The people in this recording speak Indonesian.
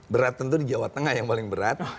berat tentu di jawa tengah yang paling berat